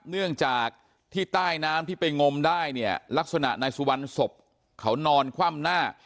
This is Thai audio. เนื่องจากที่ใต้น้ำที่ไปงมได้เนี่ยลักษณะนายสุวรรณศพเขานอนคว่ำหน้า